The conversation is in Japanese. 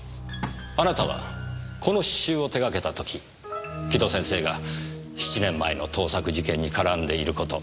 あなたはこの詩集を手がけたとき城戸先生が７年前の盗作事件に絡んでいること。